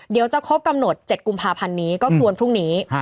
เดี๋ยวจะครบกำหนด๗กุมภาพันธ์นี้ก็คือวันพรุ่งนี้